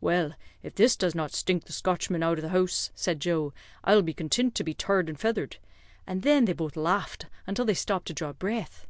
'Well, if this does not stink the Scotchman out of the house,' said Joe, 'I'll be contint to be tarred and feathered;' and thin they both laughed until they stopped to draw breath."